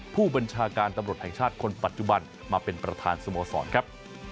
ผู้บัญชาการตำรวจแห่งชาติคนปัจจุบันมาเป็นประธานสโมสรครับ